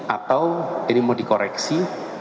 atau ini mau dikoreksi